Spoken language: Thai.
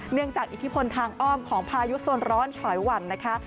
จากอิทธิพลทางอ้อมของพายุโซนร้อนฉอยหวั่นนะคะ